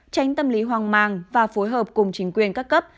tránh tâm lý hoang mang và phối hợp cùng chính quyền các cấp